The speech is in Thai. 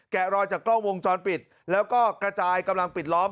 รอยจากกล้องวงจรปิดแล้วก็กระจายกำลังปิดล้อม